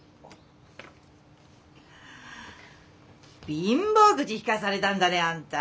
貧乏くじ引かされたんだねあんた。